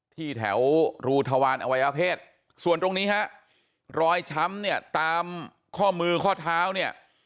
ที่แถวรูทวารอวัยวเพศส่วนตรงนี้ฮะรอยช้ำเนี่ยตามข้อมือข้อเท้าเนี่ย